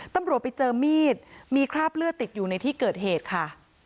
ตำรวจไปเจอมีดมีคราบเลือดติดอยู่ในที่เกิดเหตุค่ะ